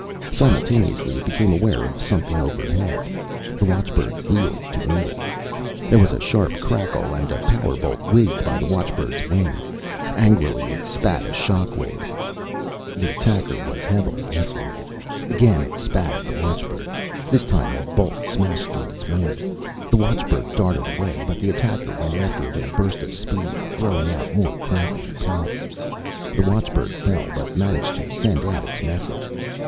Simultaneously, it became aware of something overhead. The watchbird wheeled to meet it. There was a sharp crackle and a power bolt whizzed by the watchbird's wing. Angrily, it spat a shock wave. The attacker was heavily insulated. Again it spat at the watchbird. This time, a bolt smashed through a wing, the watchbird darted away, but the attacker went after it in a burst of speed, throwing out more crackling power. The watchbird fell, but managed to send out its message.